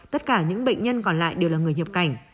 tất cả những bệnh nhân còn lại đều là người nhập cảnh